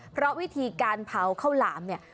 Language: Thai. เพราะวิธีการเผาข้าวหลามเนี่ย